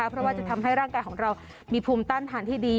เพราะว่าจะทำให้ร่างกายของเรามีภูมิต้านทานที่ดี